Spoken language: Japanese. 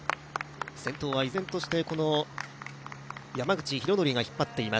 先頭は依然として、山口大徳が引っ張っています。